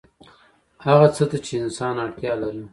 هغه څه ته چې انسان اړتیا لري